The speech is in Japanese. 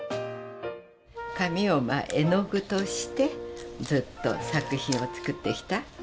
紙を絵の具としてずっと作品を作ってきた。